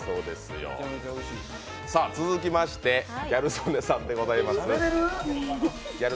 続きましてギャル曽根さんでございます。